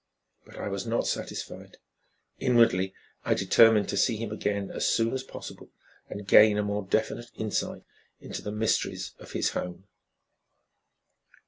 But I was not satisfied. Inwardly I determined to see him again as soon as possible and gain a more definite insight into the mysteries of his home.